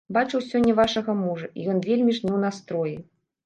Бачыў сёння вашага мужа, і ён вельмі ж не ў настроі.